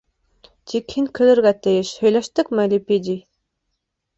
Тик һин көлөргә тейеш, һөйләштекме, Лепидий?